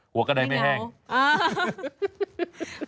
หัวกระดายไม่แห้งโอ้โฮไม่เหงา